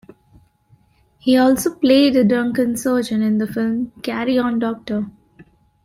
He also played a drunken surgeon in the film "Carry On Doctor".